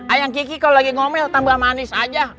ayam kiki kalau lagi ngomel tambah manis aja